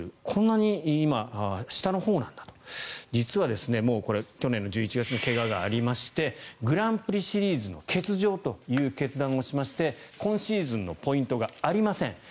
こんなに今下のほうなんだと。実は去年の１１月に怪我がありましてグランプリシリーズの欠場という決断をしまして今シーズンのポイントがありません。